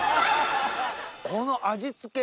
この味付け